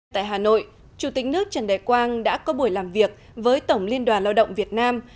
tại hà nội chủ tịch nước trần đại quang đã có buổi làm việc với tổng liên đoàn lao động việt nam